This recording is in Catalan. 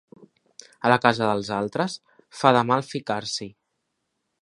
A la casa dels altres, fa de mal ficar-s'hi.